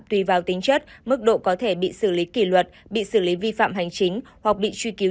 tùy vào tính chất mức độ có thể bị xử lý kỷ luật bị xử lý vi phạm hành chính hoặc bị truy cứu